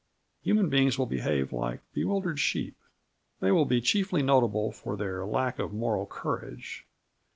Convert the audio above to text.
Human beings will behave like bewildered sheep. They will be chiefly notable for their lack of moral courage.